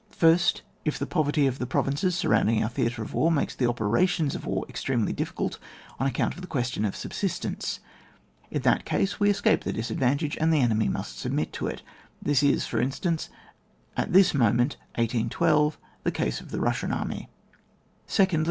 First. — If the poverty of the provinces surrounding our theatre of war, makes the operations of war extremely di£B.cult on account of the question of subsistence. In that case we escape the disadvantage, and the enemy must submit to it. This is, for instance, at this moment (1812) the case of the Hussian army. Secondly.